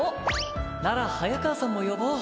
なら早川さんも呼ぼう。